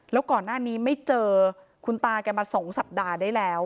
แล้วก่อนหน้านี้ไม่เจอคุณตาแกมา๒สัปดาห์ได้แล้ว